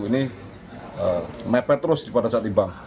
ini mepet terus pada saat di bank